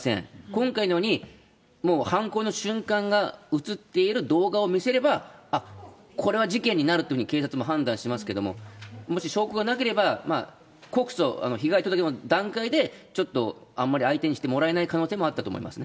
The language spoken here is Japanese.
今回のように、もう犯行の瞬間が写っている動画を見せれば、あっ、これは事件になるというふうに警察も判断しますけども、もし証拠がなければ、まあ、告訴、被害届の段階で、ちょっとあんまり相手にしてもらえない可能性もあったと思います